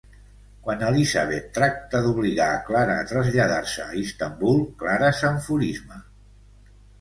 Quan Elisabet |tracta d'obligar a Clara a traslladar-se a Istanbul, Clara s'enfurisma.